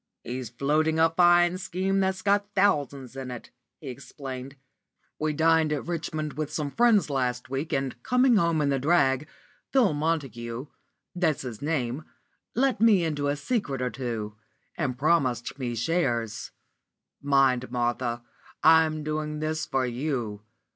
"He's floating a fine scheme that's got thousands in it," he explained. "We dined at Richmond with some friends last week, and, coming home in the drag, Phil Montague that's his name let me into a secret or two, and promised me shares. Mind, Martha, I'm doing this for you.